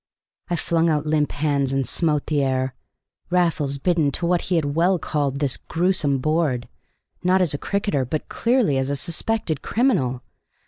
I flung out limp hands and smote the air. Raffles bidden to what he had well called this "gruesome board," not as a cricketer but, clearly, as a suspected criminal!